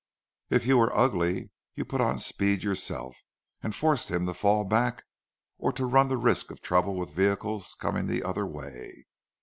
If you were ugly, you put on speed yourself, and forced him to fall back, or to run the risk of trouble with vehicles coming the other way.